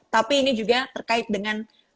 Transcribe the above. tapi ini juga terkait dengan